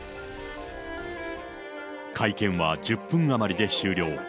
会見は１０分余りで終了。